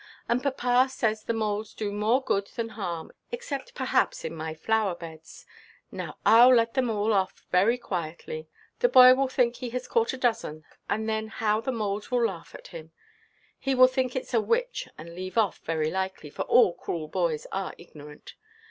And papa says the moles do more good than harm, except perhaps in my flower–beds. Now Iʼll let them all off very quietly. The boy will think he has caught a dozen; and then how the moles will laugh at him. He will think itʼs a witch, and leave off, very likely, for all cruel boys are ignorant.